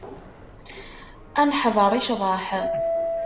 Ad neḥḍer i ccḍeḥ.